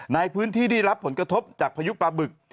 ในพื้นที่ได้รับผลกระทบจากพายุปลาบึก